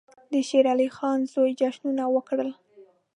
د شېر علي خان زوی جشنونه وکړل.